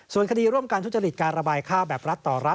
ส่วนคดีร่วมการทุจริตการระบายข้าวแบบรัฐต่อรัฐ